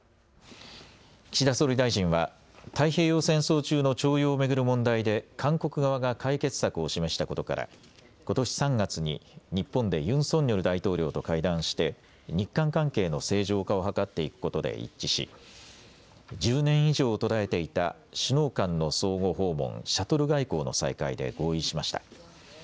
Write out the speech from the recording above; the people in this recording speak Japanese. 岸田総理大臣は太平洋戦争中の徴用を巡る問題で韓国側が解決策を示したことからことし３月に日本でユン・ソンニョル大統領と会談して日韓関係の正常化を図っていくことで一致し１０年以上途絶えていた首脳間の相互訪問、シャトル外交の再開で合意しました。